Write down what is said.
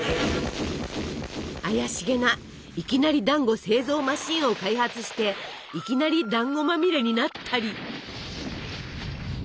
怪しげないきなりだんご製造マシンを開発していきなりだんごまみれになったり。